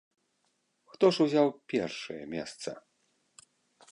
Хто ж узяў першае месца?